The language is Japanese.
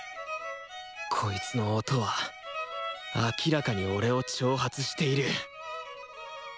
こいつの音は明らかに俺を挑発している！